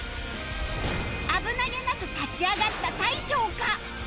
危なげなく勝ち上がった大昇か？